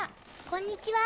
こんにちは。